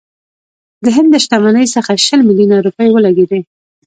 د هند له شتمنۍ څخه شل میلیونه روپۍ ولګېدې.